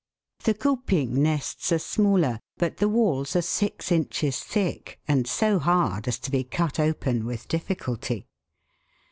The Cupim nests are smaller, but the walls are six inches thick, and so hard as to be cut open with difficulty.